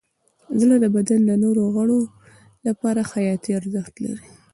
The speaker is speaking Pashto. زړه د بدن د نورو غړو لپاره حیاتي ارزښت لري.